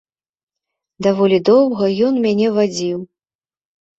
Даволі доўга ён мяне вадзіў.